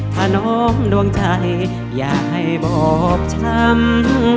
ถนมดวงใจอย่าให้บบชำ